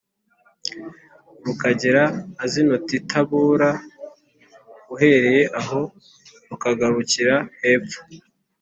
rukagera Azinotitabora uhereye aho rukagarukira hepfo